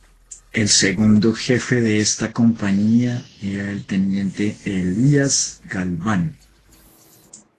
El segundo jefe de esta compañía era el teniente Elías Galván.